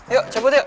yuk cabut yuk